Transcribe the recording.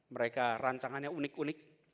mereka rancangannya unik unik